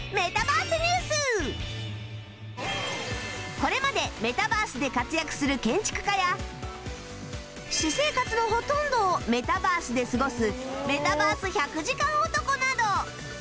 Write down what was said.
これまでメタバースで活躍する建築家や私生活のほとんどをメタバースで過ごすメタバース１００時間男など